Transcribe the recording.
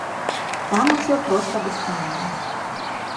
Там усё проста дасканала.